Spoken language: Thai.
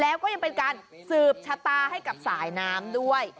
แล้วก็ยังเป็นการสืบชะตาให้กับสายน้ำด้วย